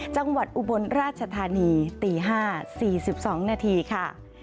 อุบลราชธานีตี๕๔๒นาทีค่ะ